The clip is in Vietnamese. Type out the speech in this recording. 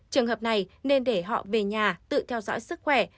trường hợp này nên để họ về nhà tự theo dõi sức khỏe